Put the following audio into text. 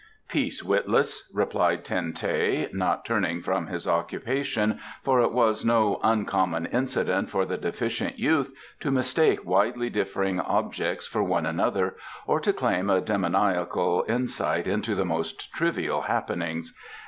"Peace, witless," replied Ten teh, not turning from his occupation, for it was no uncommon incident for the deficient youth to mistake widely differing objects for one another or to claim a demoniacal insight into the most trivial happenings.